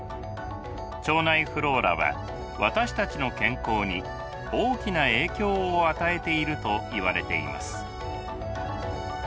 腸内フローラは私たちの健康に大きな影響を与えているといわれています。